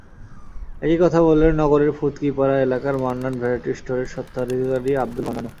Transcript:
একই কথা বললেন নগরের ফুদকিপাড়া এলাকার মান্নান ভ্যারাইটি স্টোরের স্বত্বাধিকারী আবদুল মান্নানও।